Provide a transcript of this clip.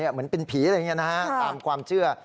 เหมือนเป็นผีอะไรอย่างนี้นะฮะตามความเชื่อ